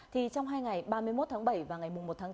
thì trong hai ngày ba mươi một tháng bảy và ngày một tháng bốn